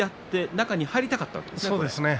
中に入りたかったんですね。